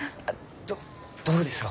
どどうですろうか？